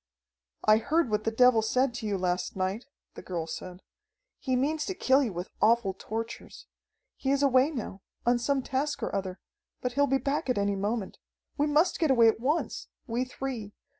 "I heard what that devil said to you last night," the girl said. "He means to kill you with awful tortures. He is away now, on some task or other, but he'll be back at any moment. We must get away at once we three.